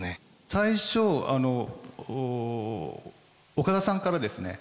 最初岡田さんからですね